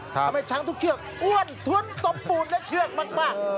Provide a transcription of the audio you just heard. ทำให้ช้างทุกเชือกอ้วนทุนสมบูรณ์และเชือกมาก